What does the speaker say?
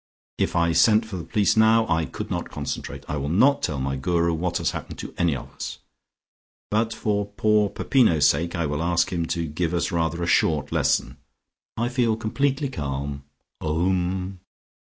If I sent for the police now I could not concentrate. I will not tell my Guru what has happened to any of us, but for poor Peppino's sake I will ask him to give us rather a short lesson. I feel completely calm. Om."